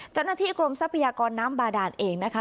เจ้าหน้าที่กรมทรัพยากรน้ำบาดานเองนะคะ